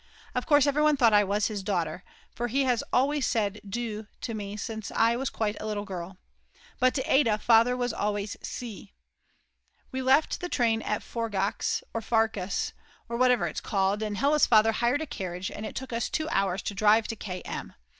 Of course everyone thought I was his daughter, for he has always said "Du" to me since I was quite a little girl. But to Ada Father always says "Sie." We left the train at Forgacs or Farkas, or whatever it is called, and Hella's father hired a carriage and it took us 2 hours to drive to K M